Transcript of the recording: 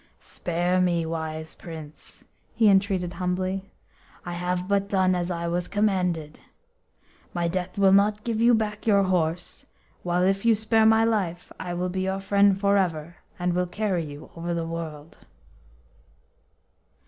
"Spare me, wise Prince," he entreated humbly. "I have but done as I was commanded. My death will not give you back your horse, while if you spare my life I will be your friend for ever, and will carry you over the world."